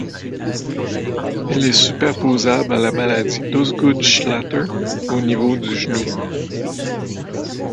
Elle est superposable à la maladie d'Osgood-Schlatter au niveau du genou.